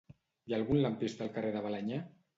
Hi ha algun lampista al carrer de Balenyà?